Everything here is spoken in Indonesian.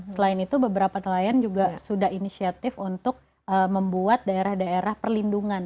selain itu beberapa nelayan juga sudah inisiatif untuk membuat daerah daerah perlindungan